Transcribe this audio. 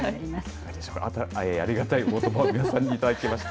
ありがたいおことばをいただきました。